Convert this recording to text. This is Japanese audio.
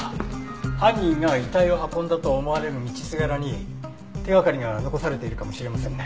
犯人が遺体を運んだと思われる道すがらに手掛かりが残されているかもしれませんね。